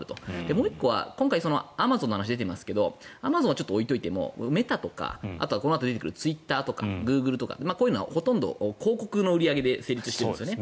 もう１個は今回アマゾンの話が出ていますがアマゾンは置いておいてもメタとかあとはこのあと出てくるツイッターとかグーグルとかこういうのはほとんど広告で成立していますね。